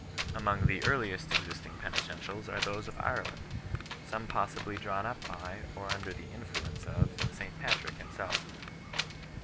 Among the earliest existing penitentials are those of Ireland 6 , some possibly drawn up by, or under the influence of, St Patrick him self.